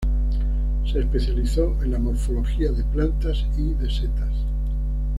Se especializó en la morfología de plantas y de setas.